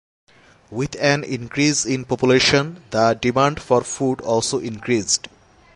With an increase in population, the demand for food also increased.